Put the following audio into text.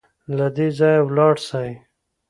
له دې ځايه ولاړ سئ